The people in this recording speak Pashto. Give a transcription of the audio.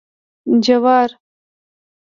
🌽 جوار